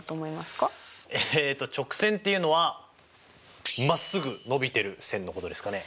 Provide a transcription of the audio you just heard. えっと直線っていうのはまっすぐのびてる線のことですかね。